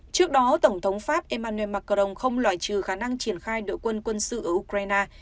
trước đó tổng thống pháp emmanuel macron không loại trừ khả năng triển khai đội quân quân sự ở ukraine